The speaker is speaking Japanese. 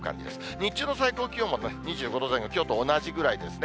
日中の最高気温も２５度前後、きょうと同じぐらいですね。